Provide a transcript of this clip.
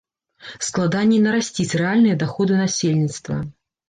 Складаней нарасціць рэальныя даходы насельніцтва.